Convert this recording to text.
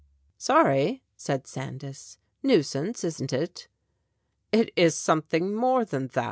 "Sorry," said Sandys. "Nuisance, isn't it?" "It is something more than that.